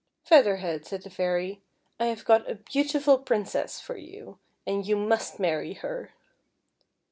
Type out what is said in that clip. " Featlier Head," said the Fairy, " I have got a beau tiful Princess for you, and you must marry her."